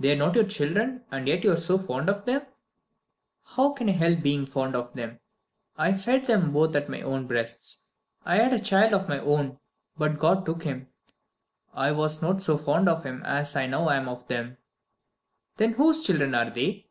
"They are not your children and yet you are so fond of them?" "How can I help being fond of them? I fed them both at my own breasts. I had a child of my own, but God took him. I was not so fond of him as I now am of them." "Then whose children are they?"